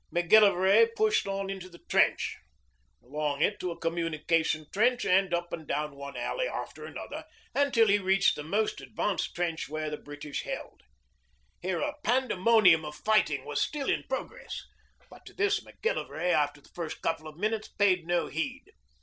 Macgillivray pushed on into the trench, along it to a communication trench, and up and down one alley after another, until he reached the most advanced trench which the British held. Here a pandemonium of fighting was still in progress, but to this Macgillivray after the first couple of minutes paid no heed.